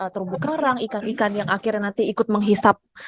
terumbu karang ikan ikan yang akhirnya nanti ikut menghisap